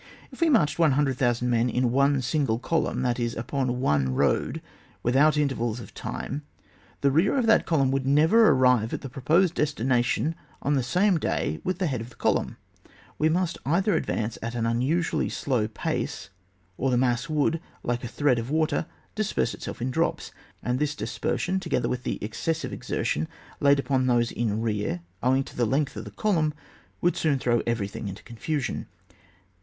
If we marched 100,000 men in one single column, that is, upon one road without intervals of time, the rear of the column would never arrive at the proposed destination on the same day with the head of the column ; we must either advance at an imusually slow pace, or the mass would, like a thread of water, disperse itself in drops ; and this dispersion, together with the excessive exertion laid upon those in rear owing to the length of the column, would soon throw everything into confusion.